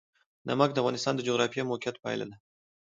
نمک د افغانستان د جغرافیایي موقیعت پایله ده.